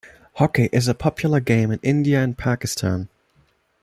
Hockey is a popular game in India and Pakistan.